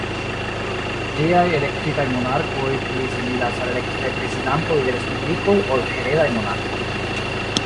Tiaj elektitaj monarkoj pli similas al elektitaj prezidantoj de respublikoj ol heredaj monarkoj.